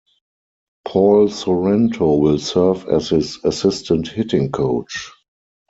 Paul Sorrento will serve as his assistant hitting coach.